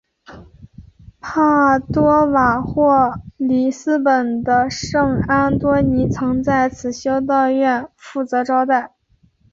帕多瓦或里斯本的圣安多尼曾在此修道院负责招待。